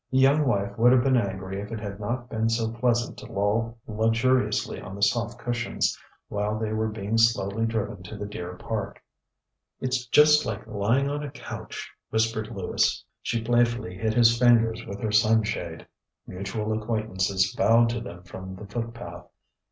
The young wife would have been angry if it had not been so pleasant to loll luxuriously on the soft cushions, while they were being slowly driven to the Deer Park. ŌĆ£ItŌĆÖs just like lying on a couch, ŌĆØ whispered Lewis. She playfully hit his fingers with her sunshade. Mutual acquaintances bowed to them from the footpath.